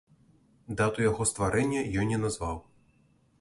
Дату яго стварэння ён не назваў.